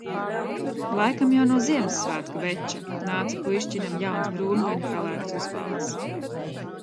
Laikam jau no Ziemassvētku veča nāca puišķinam jauns brūngani pelēks uzvalks.